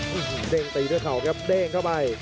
เด้งตีด้วยเข่าครับเด้งเข้าไป